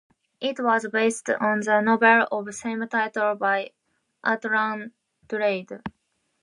It was based on the novel of same title by Autran Dourado.